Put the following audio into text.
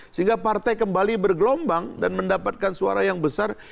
sehingga partai kembali bergelombang dan mendapatkan suara yang besar